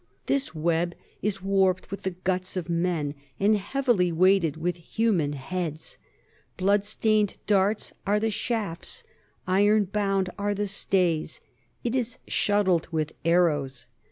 This web is warped with the guts of men, and heavily weighted with human heads; blood stained darts are the shafts, iron bound are the stays; it is shuttled with arrows.